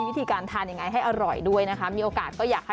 วิธีการทานยังไงให้อร่อยด้วยนะคะมีโอกาสก็อยากให้